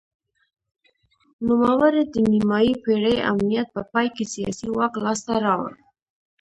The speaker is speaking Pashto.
نوموړي د نیمايي پېړۍ امنیت په پای کې سیاسي واک لاسته راوړ.